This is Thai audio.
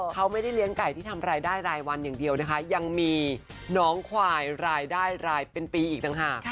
เขาไม่ได้เลี้ยงไก่ที่ทำรายได้รายวันอย่างเดียวนะคะยังมีน้องควายรายได้รายเป็นปีอีกต่างหาก